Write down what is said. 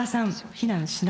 「避難しない」